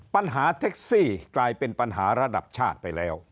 ปัญหาแท็กซี่กลายเป็นปัญหาระดับชาติไปแล้ว